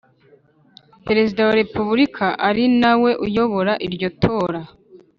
Perezida wa Repubulika ari na we uyobora iryo tora